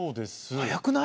早くない？